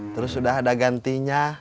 terus udah ada gantinya